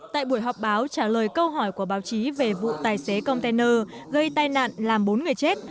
tại buổi họp báo trả lời câu hỏi của báo chí về vụ tài xế container gây tai nạn làm bốn người chết